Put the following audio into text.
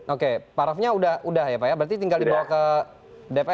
oke parafnya udah ya pak ya berarti tinggal dibawa ke dpr